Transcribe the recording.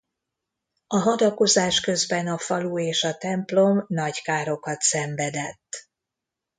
A hadakozás közben a falu és a templom nagy károkat szenvedett.